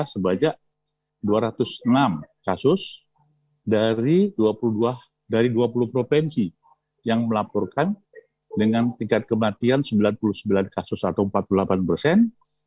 sebanyak dua ratus enam kasus dari dua puluh provinsi yang melaporkan dengan tingkat kematian sembilan puluh sembilan kasus atau empat puluh delapan persen